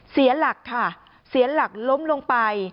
เสียหลักค่ะเสียหลักล้มลงไป